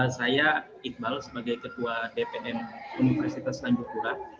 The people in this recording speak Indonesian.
saya iqbal sebagai ketua dpm universitas tanjung pura